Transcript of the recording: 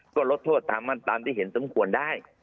ก็ลดโทษตามที่เห็นสมควรได้